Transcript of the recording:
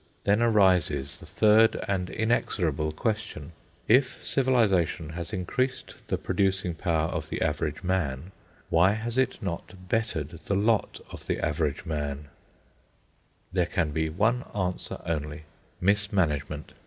Then arises the third and inexorable question: If Civilisation has increased the producing power of the average man, why has it not bettered the lot of the average man? There can be one answer only—MISMANAGEMENT.